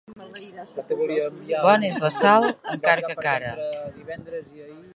Bona és la sal, encara que cara.